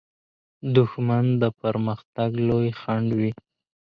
دښمن د پرمختګ لوی خنډ وي